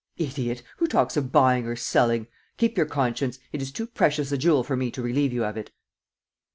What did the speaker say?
"Idiot! Who talks of buying or selling? Keep your conscience. It is too precious a jewel for me to relieve you of it."